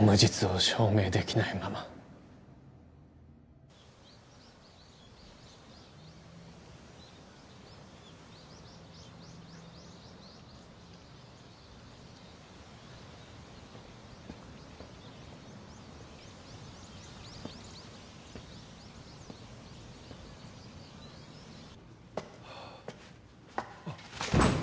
無実を証明できないままはああっ